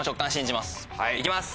いきます！